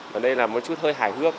và đây là một chút hơi hài hước